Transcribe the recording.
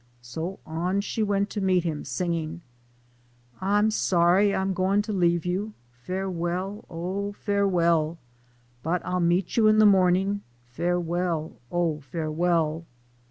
So on she went to meet him, singing : I'm sorry I'm gwine to lebe you, Farewell, oh farewell ; But I'll meet you in the mornin', Farewell, oh farewell.